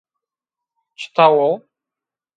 Çi taw o?